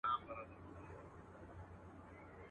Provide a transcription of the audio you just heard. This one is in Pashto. تل زبون دي په وطن کي دښمنان وي.